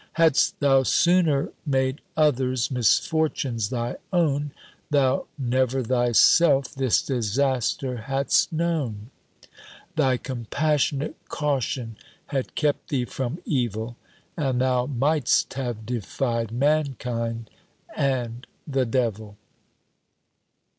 Had'st thou sooner made others' misfortunes thy own, Thou never thyself, this disaster hadst known; Thy compassionate caution had kept thee from evil, And thou might'st have defy'd mankind and the devil.'"